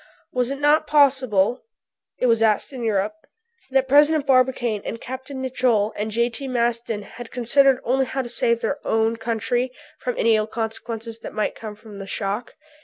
Was it not possible, it was asked in Europe, that President Barbicane and Capt. Nicholl and J.T. Maston had considered only how to save their own country from any ill consequences which might come from the shock?